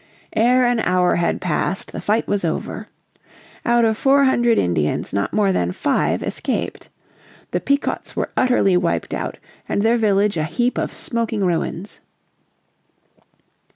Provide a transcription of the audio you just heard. Ere an hour had passed the fight was over. Out of four hundred Indians not more than five escaped. The Pequots were utterly wiped out and their village a heap of smoking ruins.